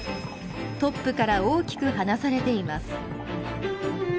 トップから大きく離されています。